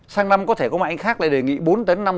sang năm có thể có mạng khác lại đề nghị bốn tấn